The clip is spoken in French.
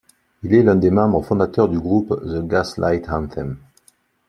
Il est l'un des membres fondateurs du groupe The Gaslight Anthem.